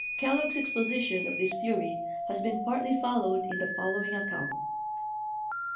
" Kellogg's exposition of this theory has been partly fol lowed in the following account.